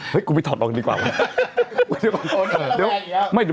เฮ้ยกูไปถอดเอาอันนี้ดีกว่า